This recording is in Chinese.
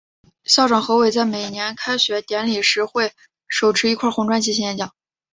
校长何伟在每年的开学典礼时会手持一块红砖进行演讲。